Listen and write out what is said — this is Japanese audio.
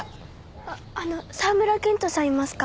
あっあの沢村健人さんいますか？